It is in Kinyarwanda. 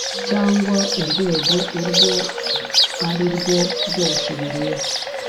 cyangwa urwego urwo ari rwo rwose bireba